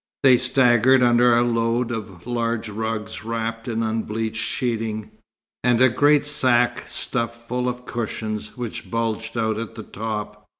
They staggered under a load of large rugs wrapped in unbleached sheeting, and a great sack stuffed full of cushions which bulged out at the top.